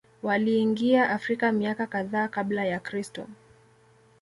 Waliingia Afrika miaka kadhaa Kabla ya Kristo